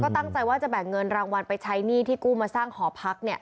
ตั้งใจว่าจะแบ่งเงินรางวัลไปใช้หนี้ที่กู้มาสร้างหอพัก